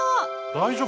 大丈夫？